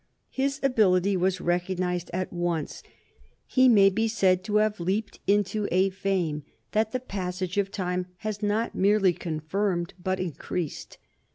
His ability was recognized at once; he may be said to have leaped into a fame that the passage of time has not merely confirmed but increased.